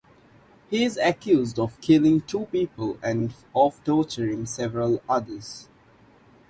He is accused of killing two people and of torturing several other.